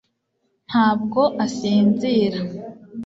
ntabwo asinzira